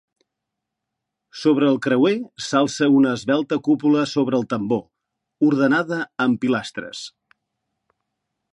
Sobre el creuer s’alça una esvelta cúpula sobre tambor, ordenada amb pilastres.